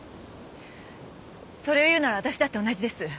それを言うなら私だって同じです。